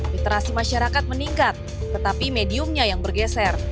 literasi masyarakat meningkat tetapi mediumnya yang bergeser